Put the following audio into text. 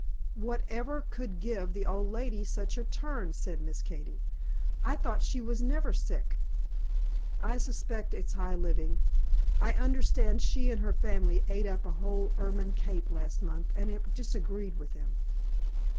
"What ever could give the old lady such a turn?" said Miss Katy. "I thought she never was sick." "I suspect it's high living. I understand she and her family ate up a whole ermine cape last month, and it disagreed with them."